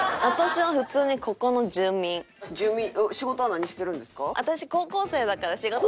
住民仕事は何してるんですか？